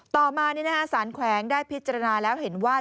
ต่อมาสารแขวงได้พิจารณาแล้วเห็นว่า